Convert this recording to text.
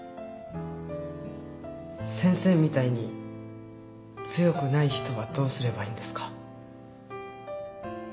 先生みたいに強くない人はどうすればいいんですか？